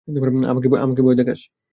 আমাকে ভয় দেখাস?